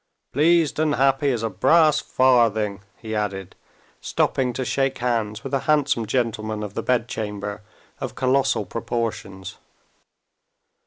"Pleased and happy as a brass farthing," he added, stopping to shake hands with a handsome gentleman of the bedchamber of colossal proportions.